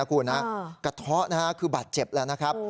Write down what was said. คุณฮะกระเทาะนะฮะคือบาดเจ็บแล้วนะครับ